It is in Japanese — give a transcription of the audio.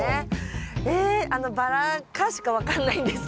えあのバラ科しか分かんないんですけど。